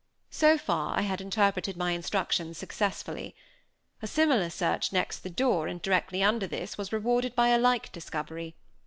So far I had interpreted my instructions successfully. A similar search, next the door, and directly under this, was rewarded by a like discovery.